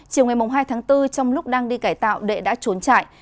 chiều ngày hai tháng bốn trong lúc đang đi cải tạo đệ đã trốn chạy